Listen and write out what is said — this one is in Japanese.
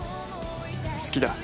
「好きだ」